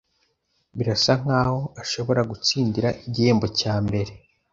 Birasa nkaho ashobora gutsindira igihembo cya mbere.